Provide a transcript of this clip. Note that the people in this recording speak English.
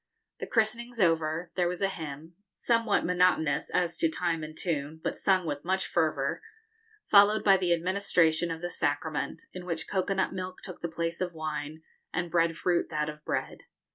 The christenings over, there was a hymn, somewhat monotonous as to time and tune, but sung with much fervour, followed by the administration of the sacrament, in which cocoa nut milk took the place of wine, and bread fruit that of bread.